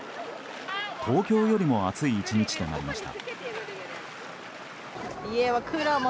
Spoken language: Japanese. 東京よりも暑い１日となりました。